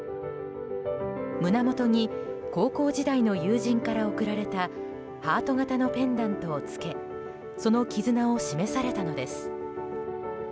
胸元に高校時代の友人から贈られたハート形のペンダントを着けその絆を示されたのです。